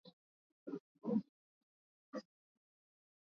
Je hii inamaanisha kwamba binadamu wa kale walikuwa watanzania